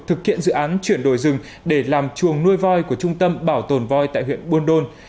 thực hiện dự án chuyển đổi rừng để làm chuồng nuôi voi của trung tâm bảo tồn voi tại huyện buôn đôn